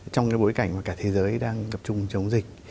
trong cái bối cảnh mà cả thế giới đang gặp chung chống dịch